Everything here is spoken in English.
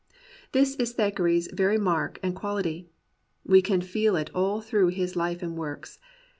This is Thackeray's very mark and quality. We can feel it all through his life and works.